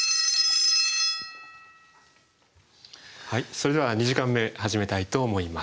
それでは２時間目始めたいと思います。